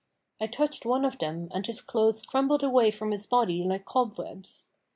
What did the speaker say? I touched one of them and his clothes crumbled away from his body like cobwebs.